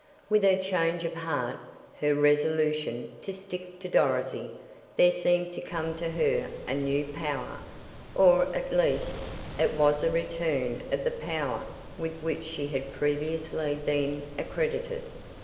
With her change of heart her resolution to "stick to Dorothy" there seemed to come to her a new power, or, at least, it was a return of the power with which she had previously been accredited.